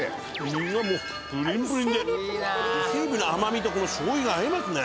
身がもうプリンプリンで伊勢エビの甘みとこの醤油が合いますね